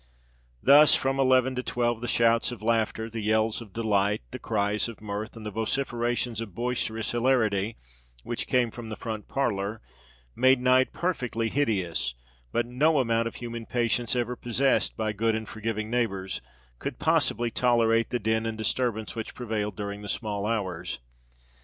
Thus, from eleven to twelve the shouts of laughter—the yells of delight—the cries of mirth—and the vociferations of boisterous hilarity, which came from the front parlour, made night perfectly hideous: but no amount of human patience ever possessed by good and forgiving neighbours, could possibly tolerate the din and disturbance which prevailed during the "small hours."